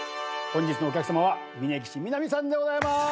本日のお客さまは峯岸みなみさんでございます。